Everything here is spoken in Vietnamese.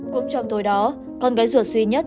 cũng trong thời đó con gái ruột duy nhất